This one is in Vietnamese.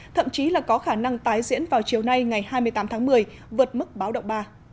thậm chí là có khả năng tái diễn vào chiều nay ngày hai mươi tám tháng một mươi vượt mức báo động ba